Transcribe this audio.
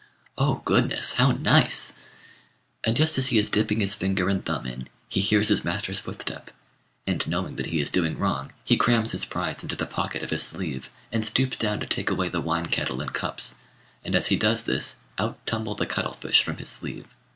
"Oh, goodness! how nice!" and just as he is dipping his finger and thumb in, he hears his master's footstep; and knowing that he is doing wrong, he crams his prize into the pocket of his sleeve, and stoops down to take away the wine kettle and cups; and as he does this, out tumble the cuttlefish from his sleeve.